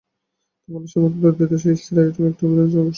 তবে বাংলাদেশের মতো দরিদ্র দেশে স্থির আয়ের একটি বিরাট জনগোষ্ঠী রয়েছে।